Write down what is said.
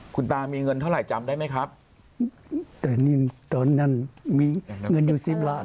คุณตามีเงินเท่าไหร่จำได้ไหมครับแต่นี่ตอนนั้นมีเงินอยู่สิบล้าน